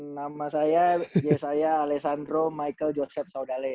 nama saya yosaya alessandro michael joseph saudale